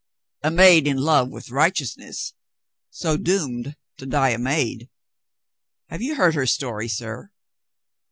"A maid in love with righteousness, so doomed to die a maid. Have you heard her story, sir